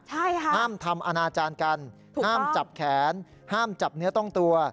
ใช่ค่ะห้ามทำอนาจารย์กันห้ามจับแขนห้ามจับเนื้อต้องตัว